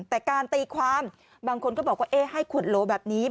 แต่การตีความบางคนก็บอกว่าให้ขวดโหลแบบนี้